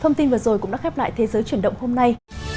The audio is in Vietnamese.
thông tin vừa rồi cũng đã khép lại thế giới chuyển động hôm nay